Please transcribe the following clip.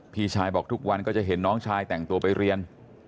พี่ชายบอกทุกวันก็จะเห็นน้องชายแต่งตัวไปเรียน